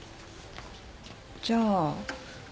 じゃあ。